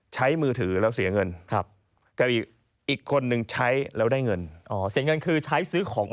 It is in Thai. ใช้มือถือแล้วเสียเงิน